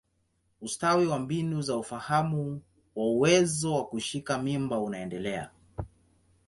Ustawi wa mbinu za ufahamu wa uwezo wa kushika mimba unaendelea.